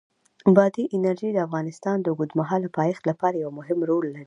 بادي انرژي د افغانستان د اوږدمهاله پایښت لپاره یو مهم رول لري.